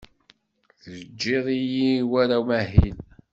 Teǧǧid-iyi war amahil.